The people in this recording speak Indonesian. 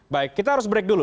baik kita harus break dulu